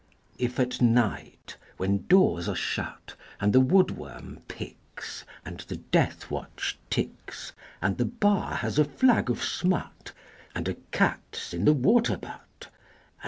II. If at night, when doors are shut, And the wood worm picks, And the death watch ticks, And the bar has a flag of smut, And a cat's in the water butt III.